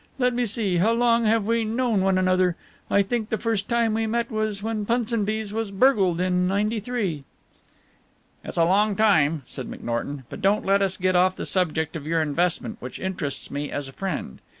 Let me see, how long have we known one another? I think the first time we met was when Punsonby's was burgled in '93." "It's a long time," said McNorton; "but don't let us get off the subject of your investment, which interests me as a friend.